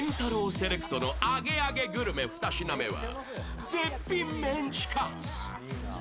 セレクトのアゲアゲグルメ２品目は、絶品メンチカツ。